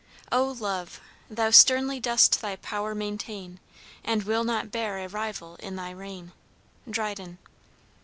O love! thou sternly dost thy power maintain, And wilt not bear a rival in thy reign. DRYDEN.